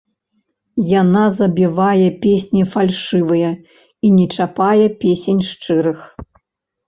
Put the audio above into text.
Яна забівае песні фальшывыя і не чапае песень шчырых.